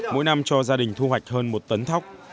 mỗi năm cho gia đình thu hoạch hơn một tấn thóc